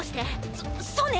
そそうね。